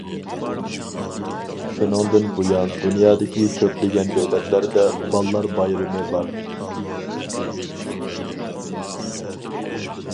شۇنىڭدىن بۇيان دۇنيادىكى كۆپلىگەن دۆلەتلەردە باللار بايرىمى بار.